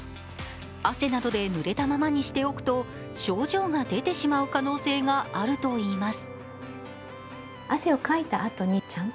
汗などでぬれたままにしておくと症状が出てしまう可能性があるといいます。